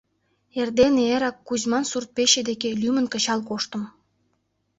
Эрдене эрак Кузьман сурт-пече деке лӱмын кычал коштым.